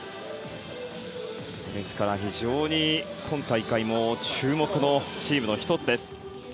非常に今大会も注目のチームの一つです。